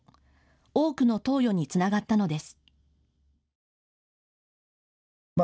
多くの投与につながったのです。